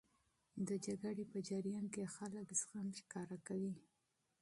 د جګړې په جریان کې خلک زغم ښکاره کوي.